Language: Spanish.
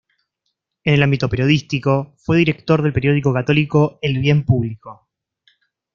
En el ámbito periodístico, fue director del periódico católico "El Bien Público".